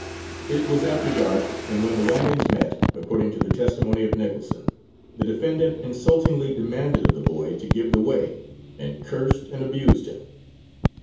It was after dark, and when the wagons met, according to the testimony of Nicholson, the defendant insultingly demanded of the boy to give the way, and cursed and abused him.